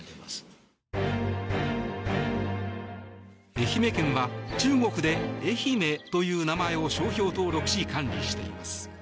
愛媛県は中国で愛媛という名前を商標登録し管理しています。